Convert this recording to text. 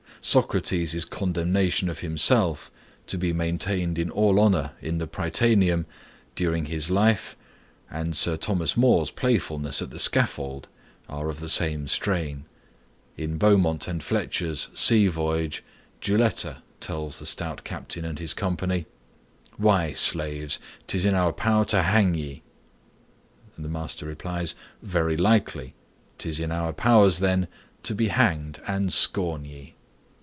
Socrates's condemnation of himself to be maintained in all honor in the Prytaneum, during his life, and Sir Thomas More's playfulness at the scaffold, are of the same strain. In Beaumont and Fletcher's "Sea Voyage," Juletta tells the stout captain and his company,— Juletta. Why, slaves, 'tis in our power to hang ye. Master. Very likely, 'Tis in our powers, then, to be hanged, and scorn ye.